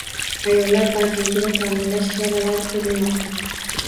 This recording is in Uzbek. Ayollar bandligini ta’minlash choralari ko‘rilmoqda